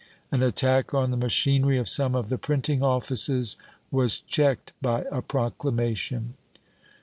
An attack on the machinery of some of the printing offices was checked by a proclamation.